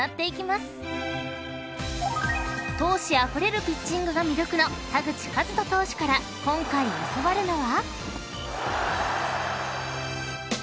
［闘志あふれるピッチングが魅力の田口麗斗投手から今回教わるのは］